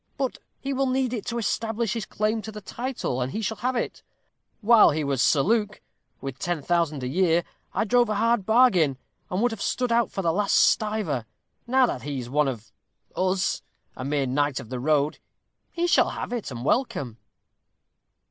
"But he will need it to establish his claim to the title, and he shall have it. While he was Sir Luke, with ten thousand a year, I drove a hard bargain, and would have stood out for the last stiver. Now that he is one of 'us', a mere Knight of the Road, he shall have it and welcome."